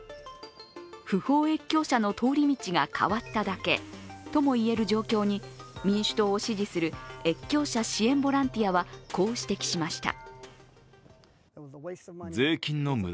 不法越境者の通り道が変わっただけともいえる状況に民主党を支持する越境者支援ボランティアはこう指摘しました。